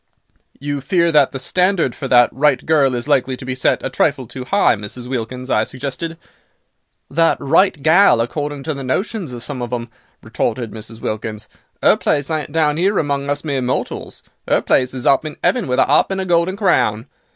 "You fear that the standard for that 'right girl' is likely to be set a trifle too high Mrs. Wilkins," I suggested. "That 'right gal,' according to the notions of some of 'em," retorted Mrs. Wilkins, "'er place ain't down 'ere among us mere mortals; 'er place is up in 'eaven with a 'arp and a golden crown.